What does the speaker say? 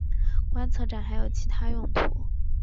观测站还有其它用途。